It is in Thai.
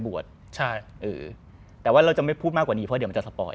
ใบศรี